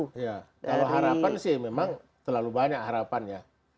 kalau harapan sih memang terlalu banyak harapan ya